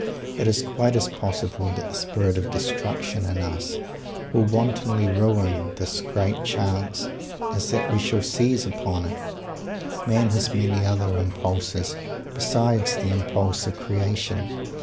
It is quite as possible that the spirit of destruction in us will wantonly ruin this great Chance as that we shall seize upon it. Man has many other impulses besides the impulse of creation.